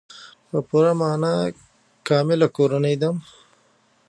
په پوره معنا کامله کورنۍ نه ده.